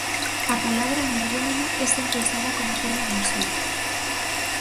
A palabra energúmeno é sempre usada como forma de insulto